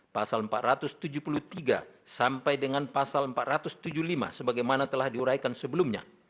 pasal empat ratus tujuh puluh tiga sampai dengan pasal empat ratus tujuh puluh lima sebagaimana telah diuraikan sebelumnya